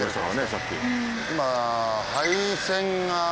さっき。